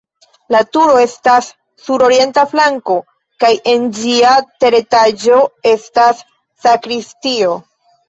La turo estas sur orienta flanko kaj en ĝia teretaĝo estas sakristio.